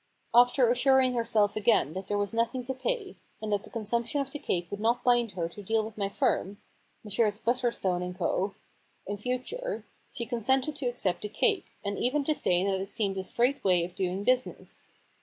'* After assuring herself again that there was nothing to pay, and that the consumption of the cake would not bind her to deal with my i6o The Impersonation Problem firm — Messrs Butterstone and Co. — in future, she consented to accept the cake, and even to say that it seemed a straight way of doing business.